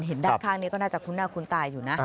ด้านข้างนี้ก็น่าจะคุ้นหน้าคุ้นตาอยู่นะ